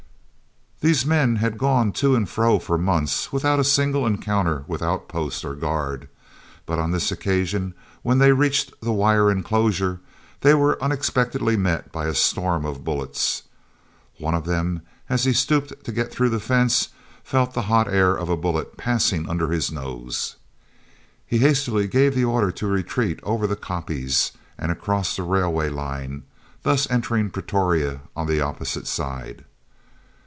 These men had gone to and fro for months without a single encounter with outpost or guard, but on this occasion, when they reached the wire enclosure, they were unexpectedly met by a storm of bullets. One of them, as he stooped to get through the fence, felt the hot air of a bullet passing under his nose. He hastily gave the order to retreat over the "koppies" and across the railway line, thus entering Pretoria on the opposite side.